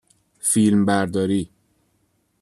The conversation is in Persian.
فیلم برداری